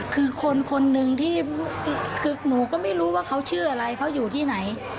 คือคนคนหนึ่งที่คือหนูก็ไม่รู้ว่าเขาชื่ออะไรเขาอยู่ที่ไหน